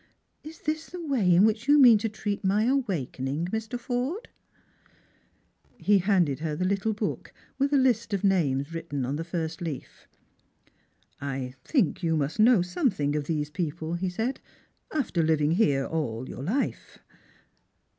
Is this the way in which you mean to treat my awakening, Mr. Forde ?" He handed her the little book, with a list of names written on the first leaf. " I think you must know something of these people," he said, " after living here all your life."